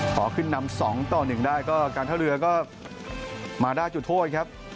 ขอขึ้นนำ๒ต่อ๑ได้ก็การท่าเรือก็มาได้จุดโทษครับ